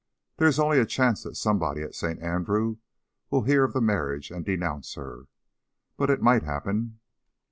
There is only a chance that somebody at St. Andrew will hear of the marriage and denounce her, but it might happen.